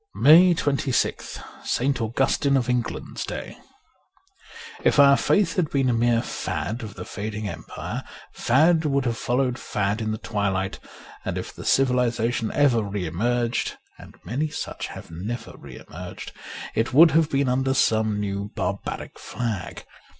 ^ 159 MAY 26th ST. AUGUSTINE OF ENGLAND'S DAY IF our faith had been a mere fad of the fading empire, fad would have followed fad in the twilight, and if the civilization ever re emerged (and many such have never re emerged) it would have been under some new barbaric flag.